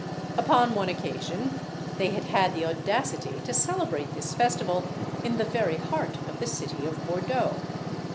Upon one occasion they had had the audacity to celebrate this festival in the very heart of the city of Bourdeaux.